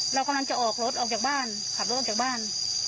เรากำลังจะออกรถออกจากบ้านขับรถออกจากบ้าน